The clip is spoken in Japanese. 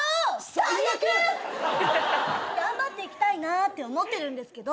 最悪！頑張っていきたいなって思ってるんですけど。